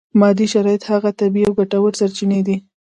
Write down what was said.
مادي شرایط هغه طبیعي او ګټورې سرچینې دي.